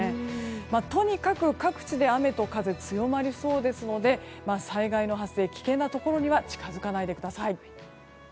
とにかく各地で雨と風強まりそうですので災害の発生、危険なところには近づかないでください。